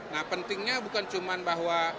nah pentingnya bukan cuma bahwa